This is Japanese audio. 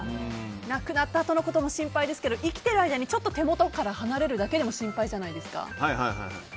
亡くなったあとのことも心配ですけど生きている間に手元から離れるだけでも心配じゃないですか。